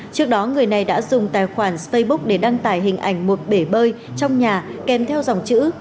trước đó người này đã dùng tài khoản facebook để đăng tải hình ảnh một bể bơi trong nhà kèm theo dòng chữ